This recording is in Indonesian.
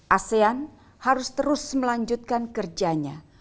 asean harus terus melanjutkan kerjanya